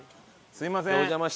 すみません。